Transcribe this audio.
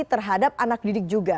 terhadap anak didik juga